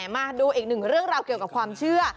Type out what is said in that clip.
มาดูอีกหนึ่งเรื่องราวเกี่ยวกับความเชื่อ